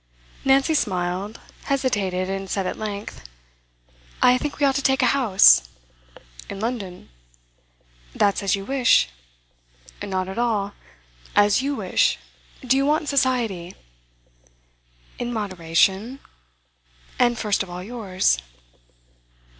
Nancy smiled, hesitated, and said at length: 'I think we ought to take a house.' 'In London?' 'That's as you wish.' 'Not at all. As you wish. Do you want society?' 'In moderation. And first of all, yours.